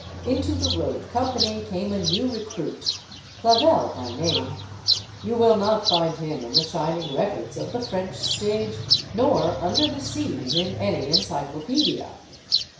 Into the road company came a new recruit, Clavel by name. You will not find him in the shining records of the French stage, nor under the "Cs" in any encyclo pedia.